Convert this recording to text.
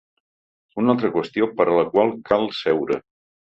Una altra qüestió per a la qual cal seure.